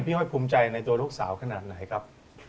ห้อยภูมิใจในตัวลูกสาวขนาดไหนครับ